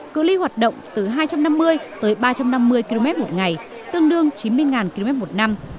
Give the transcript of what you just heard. cự li hoạt động từ hai trăm năm mươi tới ba trăm năm mươi km một ngày tương đương chín mươi km một năm